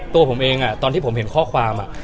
ตัวผมตอนที่เห็นหัวข้าวความ